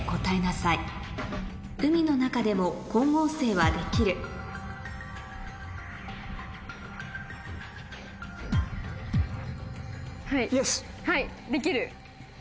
はいはいできる。